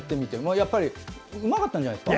やっぱりうまかったんじゃないですか。